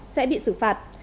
sẽ bị xử phạt